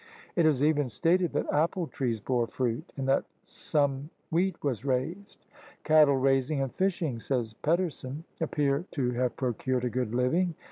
It is even stated that apple trees borefruit and that some wheat was raised. " Cattle raising and fishing," says Pettersson, "appear to have procured a good living.